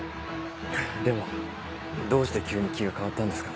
でもどうして急に気が変わったんですかね？